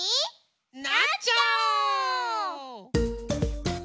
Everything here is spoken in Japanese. なっちゃおう！